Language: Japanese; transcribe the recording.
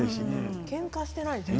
けんかしていない。